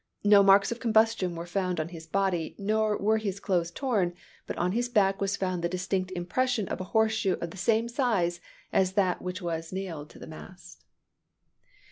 No marks of combustion were found on his body, nor were his clothes torn; but on his back was found the distinct impression of a horseshoe of the same size as that which was nailed to the mast."